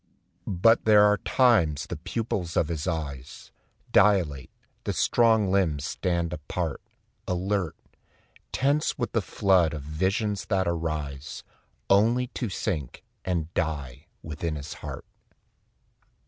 But there are times the pupils of his eyes Dilate, the strong limbs stand alert, apart, Tense with the flood of visions that arise Only to sink and die within his heart.